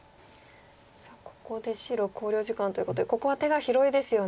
さあここで白考慮時間ということでここは手が広いですよね。